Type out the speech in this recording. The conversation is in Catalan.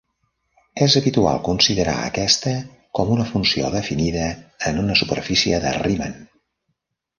És habitual considerar aquesta com una funció definida en una superfície de Riemann.